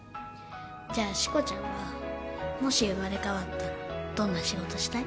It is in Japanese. じゃあしこちゃんはもし生まれ変わったらどんな仕事したい？